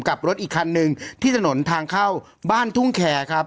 กับรถอีกคันหนึ่งที่ถนนทางเข้าบ้านทุ่งแคร์ครับ